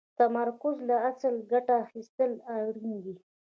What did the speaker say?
د تمرکز له اصله ګټه اخيستل اړين دي.